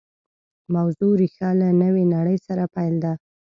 موضوع ریښه له نوې نړۍ سره پیل ده